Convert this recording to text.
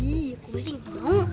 ih aku mesti gak mau